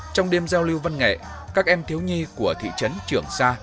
trong đêm giao lưu văn nghệ các em thiếu nhi của thị trấn trường sa